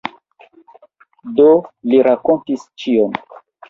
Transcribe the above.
Do li rakontis ĉion.